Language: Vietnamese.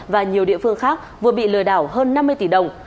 và nhiều địa phương khác vừa bị lừa đảo hơn năm mươi tỷ đồng